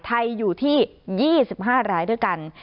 ไทยอยู่ที่๒๕รายด้วยกัน